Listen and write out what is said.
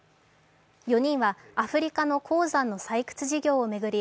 ４人はアフリカの鉱山の採掘事業を巡り